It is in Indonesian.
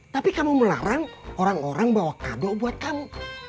tapi kamu melarang orang orang bawa kado buat kamu